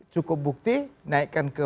cukup bukti naikkan ke